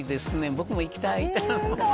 僕も行きたい。